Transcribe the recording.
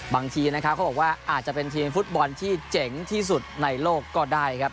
บางทีนะครับเขาบอกว่าอาจจะเป็นทีมฟุตบอลที่เจ๋งที่สุดในโลกก็ได้ครับ